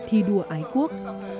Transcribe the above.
thi đua ái quốc